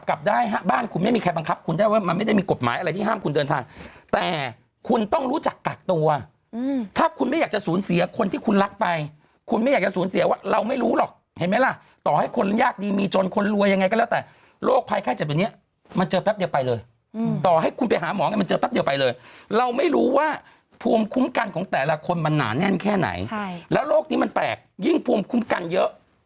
กลับได้บ้านคุณไม่มีใครบังคับคุณได้ว่ามันไม่ได้มีกฎหมายอะไรที่ห้ามคุณเดินทางแต่คุณต้องรู้จักกัดตัวถ้าคุณไม่อยากจะสูญเสียคนที่คุณรักไปคุณไม่อยากจะสูญเสียว่าเราไม่รู้หรอกเห็นไหมล่ะต่อให้คนยากดีมีจนคนรวยยังไงก็แล้วแต่โรคภัยไข้จับอย่างเนี้ยมันเจอแป๊บเดียวไปเลยอืมต่อให้คุณไปหาหมองมันเ